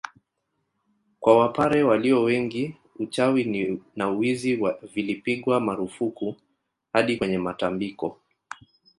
Kwa wapare walio wengi uchawi na wizi vilipigwa marufuku hadi kwenye matambiko